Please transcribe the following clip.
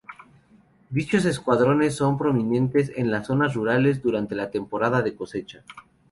Dichos escuadrones son prominentes en las zonas rurales durante la temporada de cosecha.